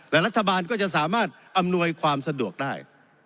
แต่รัฐบาลก็จะสามารถอำนวยความสะดวกได้